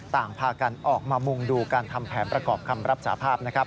ต่างพากันออกมามุงดูการทำแผนประกอบคำรับสาภาพนะครับ